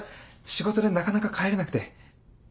仕事でなかなか帰れなくて。